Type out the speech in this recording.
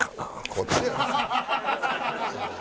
こっちやろ。